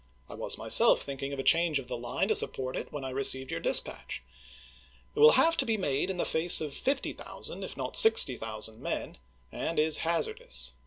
I was myself thinking of a change of the line to support it when I received your dispatch. It will have to be >f n"ii u.. made in the face of 50,000 if not 60,000 men, and " '<\\'h!^ ' is hazardous.